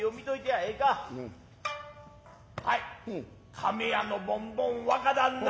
亀屋のボンボン若旦那。